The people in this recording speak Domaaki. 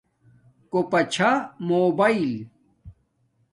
کوپا چھا موباݵل